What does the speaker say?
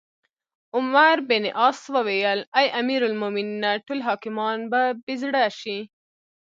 عمروبن عاص وویل: اې امیرالمؤمنینه! ټول حاکمان به بې زړه شي.